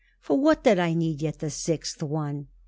"For what did I need yet the sixth one?"